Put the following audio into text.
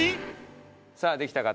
さあできた方。